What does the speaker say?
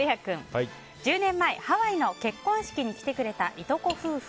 １０年前、ハワイの結婚式に来てくれた、いとこ夫婦。